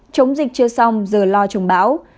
chống dịch chưa xong giờ lo chống báo